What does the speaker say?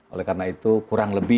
oleh karena itu kurang lebih